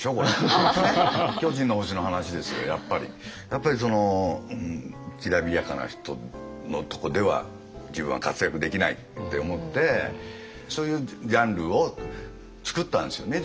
やっぱりそのきらびやかな人のとこでは自分は活躍できないって思ってそういうジャンルを作ったんですよね